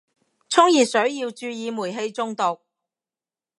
沖熱水要注意煤氣中毒